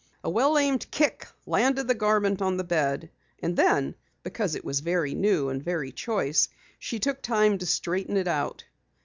A well aimed kick landed the garment on the bed, and then because it was very new and very choice she took time to straighten it out.